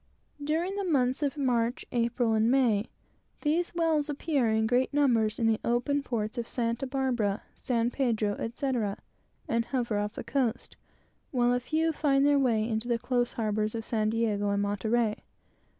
During the months of March, April, and May, these whales appear in great numbers in the open ports of Santa Barbara, San Pedro, etc., and hover off the coast, while a few find their way into the close harbors of San Diego and Monterey.